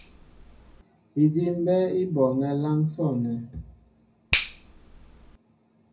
Idí' mbɛ́ɛ́ í bɔɔŋɛ́ a láŋ sɔ̂nɛ́.